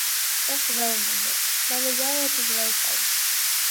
Kas vēl man ir? Man ir jāiet uz veikalu.